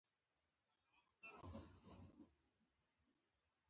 د پښتون وياړ او غرور ناياب دی